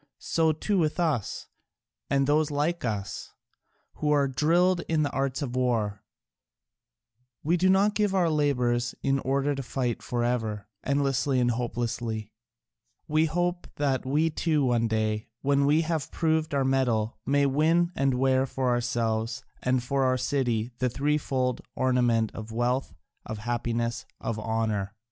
So too with us, and those like us, who are drilled in the arts of war: we do not give our labours in order to fight for ever, endlessly and hopelessly, we hope that we too one day, when we have proved our mettle, may win and wear for ourselves and for our city the threefold ornament of wealth, of happiness, of honour.